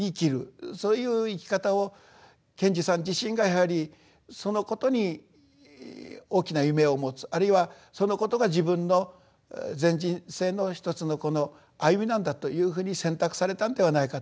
そういう生き方を賢治さん自身がやはりそのことに大きな夢を持つあるいはそのことが自分の全人生の一つの歩みなんだというふうに選択されたんではないかと。